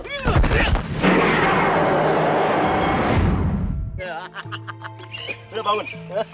udah bangun